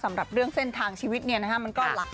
สำหรับเรื่องเส้นทางชีวิตเนี่ยนะฮะ